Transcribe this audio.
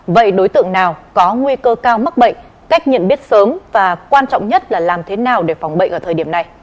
vậy đối tượng nào có nguy cơ cao mắc bệnh cách nhận biết sớm và quan trọng nhất là làm thế nào để phòng bệnh ở thời điểm này